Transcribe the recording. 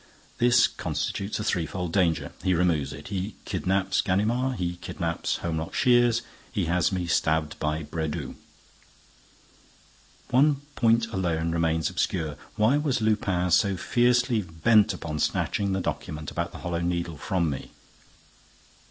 This constitutes a threefold danger. He removes it. He kidnaps Ganimard. He kidnaps Holmlock Shears. He has me stabbed by Brédoux. One point alone remains obscure. Why was Lupin so fiercely bent upon snatching the document about the Hollow Needle from me?